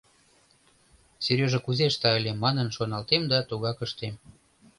«Сережа кузе ышта ыле?» манын шоналтем да тугак ыштем.